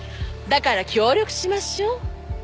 だから協力しましょ。